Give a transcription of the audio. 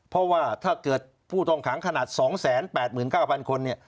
เพราะว่าถ้าเกิดผู้ต้องขังขนาด๒๘๙๐๐คน